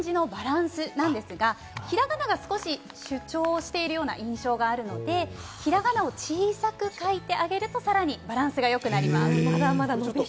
一つアドバイスを申し上げると、ひらがなと漢字のバランスなんですが、ひらがなが少し主張しているような印象があるので、ひらがなを小さく書いてあげると、さらにバランスがよくなります。